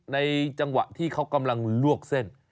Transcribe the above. ในจังหวะที่เขากำลังลวกเส้น